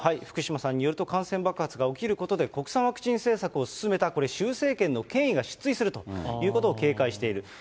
福島さんによると、感染爆発が起きることで、国産ワクチン政策を進めた習政権の権威が失墜するということを警戒している。